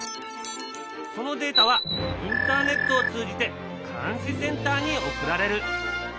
そのデータはインターネットを通じて監視センターに送られる。